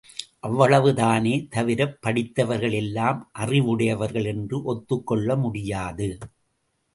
அவ்வளவு தானே தவிரப் படித்தவர்கள் எல்லாம் அறிவுடையவர்கள் என்று ஒத்துக் கொள்ள முடியாது.